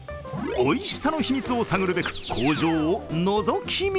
おいしさの秘密を探るべく工場をのぞき見。